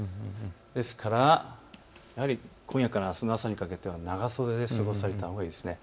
ですからやはり今夜からあすの朝にかけては長袖で過ごされたほうがいいです。